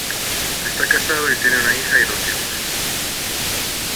Está casado y tiene una hija y dos hijos.